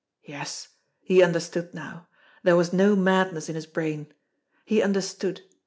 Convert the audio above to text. Yes, he understood now! There was no madness in his brain. He understood!